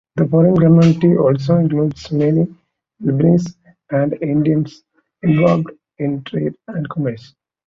The foreign community also includes many Lebanese and Indians involved in trade and commerce.